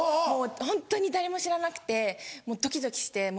もうホントに誰も知らなくてもうドキドキして。